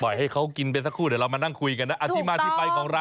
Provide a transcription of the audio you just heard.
ปล่อยให้เขากินไปสักครู่เดี๊ยวมานั่งคุยกันนะ